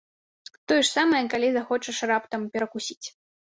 Тое ж самае, калі захочаш раптам перакусіць.